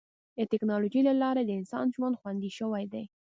د ټکنالوجۍ له لارې د انسان ژوند خوندي شوی دی.